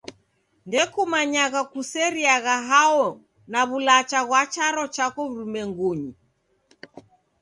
Ndokumanyagha kuseriagha hao na w'ulacha ghwa charo chako w'urumwengunyi.